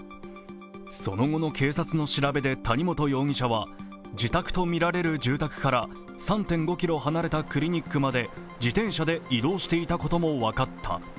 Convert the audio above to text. その後の警察の調べで谷本容疑者は自宅とみられる住宅から３．５ｋｍ離れたクリニックまで自転車で移動していたことも分かった。